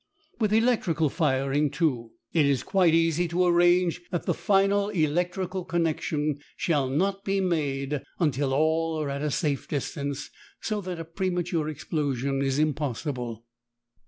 With electrical firing, too, it is quite easy to arrange that the final electrical connection shall not be made until all are at a safe distance, so that a premature explosion is impossible.